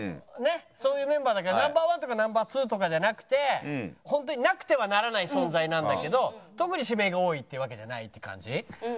そういうメンバーだからＮｏ．１とかＮｏ．２とかじゃなくてホントになくてはならない存在なんだけど特に指名が多いってわけじゃないって感じ。